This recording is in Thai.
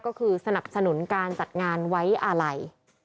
ก็คือสนับสนุนการจัดงานไว้อาลัย